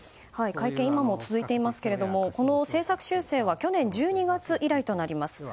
会見、今も続いていますがこの政策修正は去年１２月以来となります。